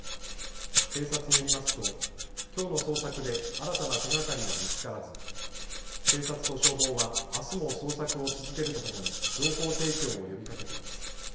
警察によりますときょうの捜索で新たな手がかりは見つからず警察と消防はあすも捜索を続けるとともに情報提供を呼びかけています。